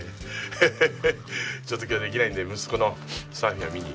ちょっと今日できないので息子のサーフィンを見に。